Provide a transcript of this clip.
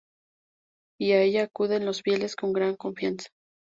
Y a ella acuden los fieles con gran confianza.